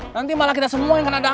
nanti malah kita semua yang kena damai